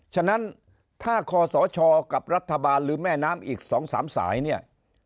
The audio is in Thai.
ฉะนั้นถ้าคอสชกับรัฐบาลหรือแม่น้ำอีก๒๓สายเนี่ย